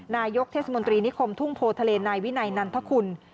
นายกเทศมนตรีนิคมทุ่งโพทะเลนายวินัยนันทคุณ